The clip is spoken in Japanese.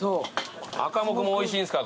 アカモクもおいしいんすか？